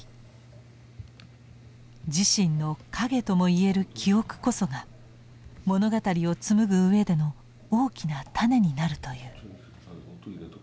自身の陰ともいえる記憶こそが物語を紡ぐ上での大きな種になるという。